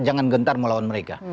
jangan gentar melawan mereka